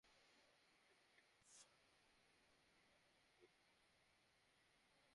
ডেমোক্র্যাটদের জন্য সুখবর, হিলারির জন্য বিজয় নিশ্চিত হওয়া এখন কেবল সময়ের ব্যাপার।